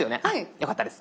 よかったです。